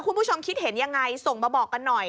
คุณผู้ชมคิดเห็นยังไงส่งมาบอกกันหน่อย